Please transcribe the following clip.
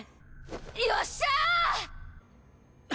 よっしゃ！